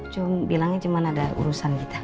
cuma bilangnya cuma ada urusan kita